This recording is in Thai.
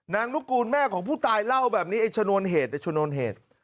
นางลูกกูลแม่ของผู้ตายเล่าแบบนี้อีฉนวลเฮตอีฉนวลเฮต